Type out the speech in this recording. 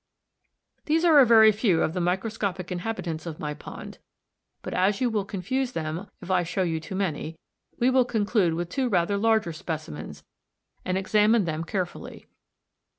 These are a very few of the microscopic inhabitants of my pond, but, as you will confuse them if I show you too many, we will conclude with two rather larger specimens, and examine them carefully.